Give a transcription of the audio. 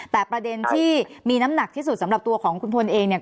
แต่ประเด็นที่มีน้ำหนักที่สุดสำหรับตัวของคุณพลเองเนี่ย